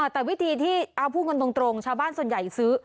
แต่วิธีที่เอาพูดกันตรงชาวบ้านส่วนใหญ่ซื้อ